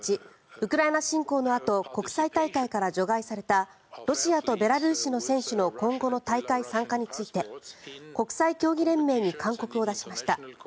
ウクライナ侵攻のあと国際大会から除外されたロシアとベラルーシの選手の今後の大会参加について国際競技連盟に勧告を出しました。